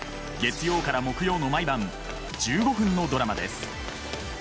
月曜から木曜の毎晩１５分のドラマです。